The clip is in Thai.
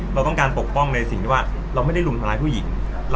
เราต้องการปกป้องในสิ่งที่ว่าเราไม่ได้รุมทำร้ายผู้หญิง